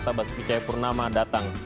dia batalkan saja